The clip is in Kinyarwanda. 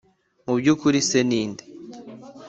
Mu by ukuri se ni nde